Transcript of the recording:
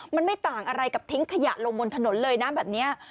มันไม่ต่างอะไรกับทิ้งขยะลงบนถนนเลยนะแบบนี้